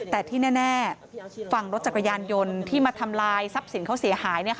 แต่ที่แน่ฝั่งรถจักรยานยนต์ที่มาทำลายทรัพย์สินเขาเสียหาย